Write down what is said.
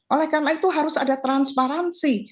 oleh karena itu harus ada transparansi